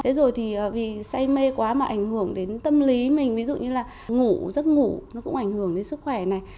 thế rồi thì vì say mê quá mà ảnh hưởng đến tâm lý mình ví dụ như là ngủ giấc ngủ nó cũng ảnh hưởng đến sức khỏe này